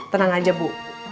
tenang aja bu